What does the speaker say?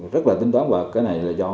rất là tính toán và cái này là do